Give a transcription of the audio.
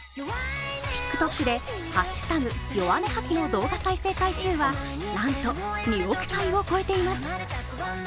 ＴｉｋＴｏｋで「＃ヨワネハキ」の動画再生回数はなんと２億回を超えています。